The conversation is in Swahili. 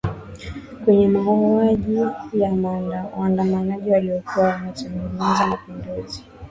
kwenye mauwaji ya waandamanaji waliokuwa wanachangiza mapinduzi